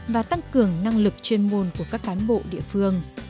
và tăng cường năng lực chuyên môn của các cán bộ địa phương